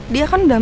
dia kan udah mati